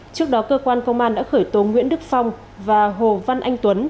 trước đó cơ quan công an đã khởi tố nguyễn đức phong và hồ văn anh tuấn